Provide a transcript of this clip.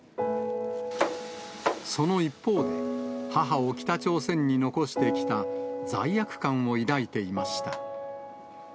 その一方で、母を北朝鮮に残してきた罪悪感を抱いていました。